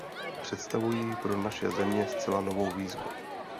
Představují pro naše země zcela novou výzvu.